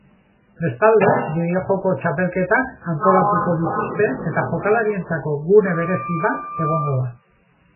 Bestalde, bideo-joko txapelketak antolatuko dituzte eta jokalarientzako gune berezi bat egongo da.